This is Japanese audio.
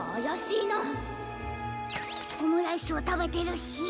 オムライスをたべてるし。